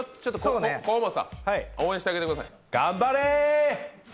河本さん応援してあげてください。